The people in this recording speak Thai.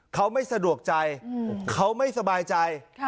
เขาไม่สะดวกใจเขาไม่สบายใจ